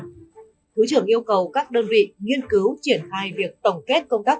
thứ trưởng yêu cầu các đơn vị nghiên cứu triển khai việc tổng kết công tác